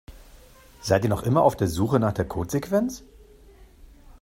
Seid ihr noch immer auf der Suche nach der Codesequenz?